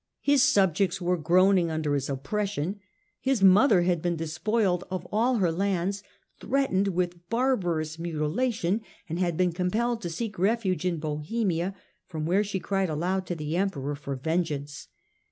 His subjects were groaning under his oppression. His mother had been despoiled of all her lands, threatened with barbarous mutilation, and had been compelled to seek refuge in Bohemia, from where she cried aloud to the Emperor for vengeance.